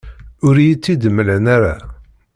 Ur iyi-tt-id-mlan ara.